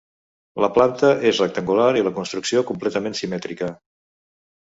La planta és rectangular i la construcció completament simètrica.